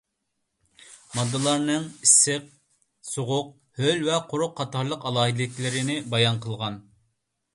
ماددىلارنىڭ ئىسسىق، سوغۇق، ھۆل ۋە قۇرۇق قاتارلىق ئالاھىدىلىكلىرىنى بايان قىلغان.